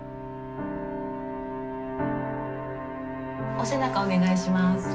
お背中お願いします。